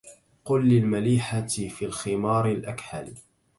قل للمليحة في الخمار الأكحل